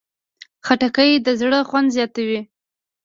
خټکی د زړه خوند زیاتوي.